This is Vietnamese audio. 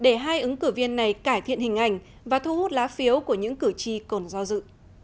đây là cơ hội để hai ứng cử viên này cải thiện hình ảnh và thu hút lá phiếu của những cử tri còn do dự